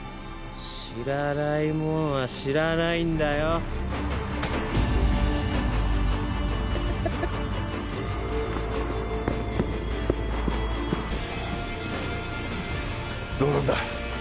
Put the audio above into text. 知らないもんは知らないんだよどうなんだ？